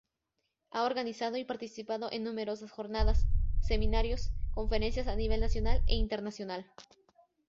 Ha organizado y participado en numerosas jornadas, seminarios, conferencias a nivel nacional e internacional.